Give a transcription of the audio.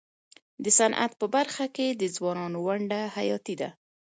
د صنعت په برخه کي د ځوانانو ونډه حیاتي ده.